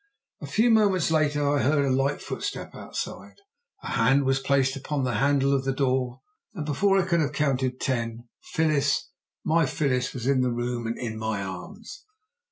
A few moments later I heard a light footstep outside, a hand was placed upon the handle of the door, and before I could have counted ten, Phyllis my Phyllis! was in the room and in my arms!